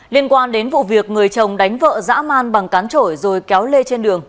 liên quan đến vụ việc người chồng đánh vợ dã man bằng cán trỗi rồi kéo lê trên đường